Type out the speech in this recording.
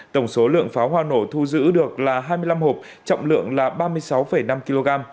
tổng số lượng pháo hoa nổ thu giữ được là hai mươi năm hộp trọng lượng là ba mươi sáu năm kg